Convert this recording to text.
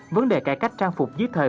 vấn đề cải cách trang phục dưới thời